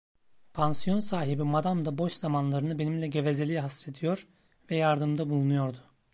Pansiyon sahibi madam da boş zamanlarını benimle gevezeliğe hasrediyor ve yardımda bulunuyordu.